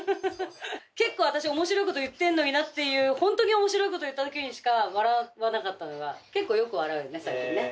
結構私面白いこと言ってんのになっていうホントに面白いこと言ったときにしか笑わなかったのが結構よく笑うよね最近ね。